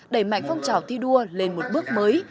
đẩy mạnh phong trào thi đua lên một bước mới